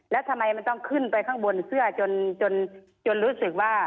แล้วทำไมมันต้องขึ้นไปข้างบนเสื้อจนรู้สึกว่า